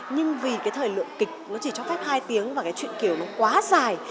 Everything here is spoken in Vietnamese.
nhưng vì cái thời lượng kịch nó chỉ cho phép hai tiếng và cái chuyện kiểu nó quá dài